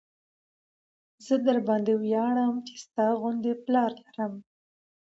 زه درباندې وياړم چې ستا غوندې پلار لرم.